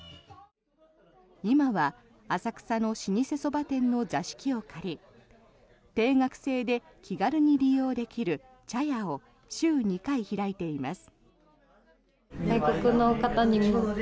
今は浅草の老舗そば店の座敷を借り定額制で気軽に利用できるＣＨＡＹＡを週２回開いています。